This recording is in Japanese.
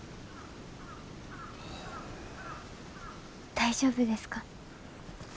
大丈夫ですか？